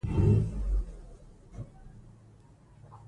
د پیسو اغیزمن مدیریت اړین دی.